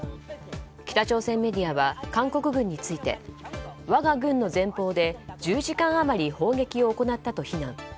北朝鮮メディアは韓国軍について我が軍の前方で１０時間余り砲撃を行ったと非難。